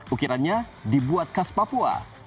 ukirannya dibuat khas papua